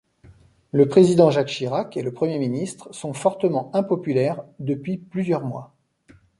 Le Président Jacques Chirac et le Premier ministre sont fortement impopulaires depuis plusieurs mois.